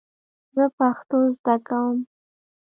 زه پښتو زده کوم